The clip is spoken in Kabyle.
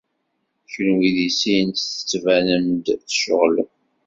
Kenwi deg sin tettbanem-d tceɣlem.